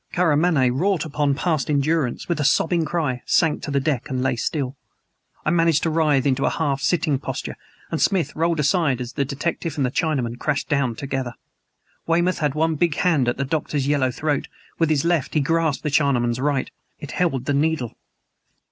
Karamaneh, wrought upon past endurance, with a sobbing cry, sank to the deck and lay still. I managed to writhe into a half sitting posture, and Smith rolled aside as the detective and the Chinaman crashed down together. Weymouth had one big hand at the Doctor's yellow throat; with his left he grasped the Chinaman's right. It held the needle.